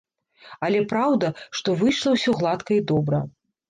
Але праўда, што выйшла ўсё гладка і добра.